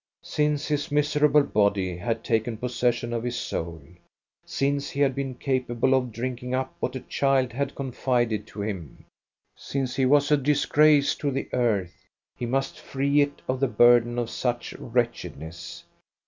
Since his miserable body had taken possession of his soul, since he had been capable of drinking up what a child had con fided to him, since he was a disgrace to the earth, he must free it of the burden of such wretchedness.